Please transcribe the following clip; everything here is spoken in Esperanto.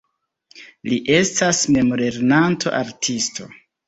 Li estas memlernanto artisto.